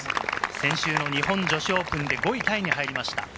先週の日本女子オープンで５位タイに入りました。